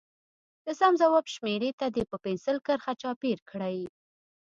د سم ځواب شمیرې ته دې په پنسل کرښه چاپېر کړي.